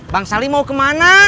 bang salim mau kemana